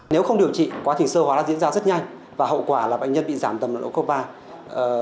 nếu không điều trị quá trình sơ hóa diễn ra rất nhanh và hậu quả là bệnh nhân bị giảm tầm độ khớp vai